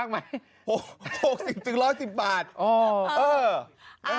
หกสิบหกสิบถึงร้อยสิบบาทอ๋อเออ